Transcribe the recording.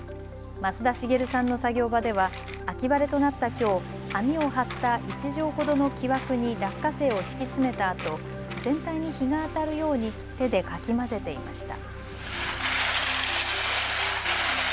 増田繁さんの作業場では秋晴れとなったきょう、網を張った１畳ほどの木枠に落花生を敷き詰めたあと全体に日が当たるように手でかき混ぜていました。